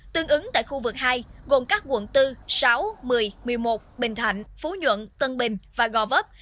tương ứng tại khu vực hai gồm các quận bốn sáu một mươi một mươi một bình thạnh phú nhuận tân bình và gò vấp